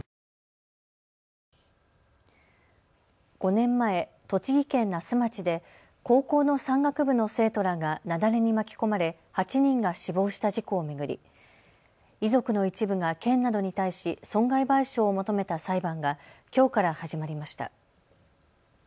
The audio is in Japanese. ５年前、栃木県那須町で高校の山岳部の生徒らが雪崩に巻き込まれ８人が死亡した事故を巡り、遺族の一部が県などに対し損害賠償を求めた裁判がきょうから始まりました。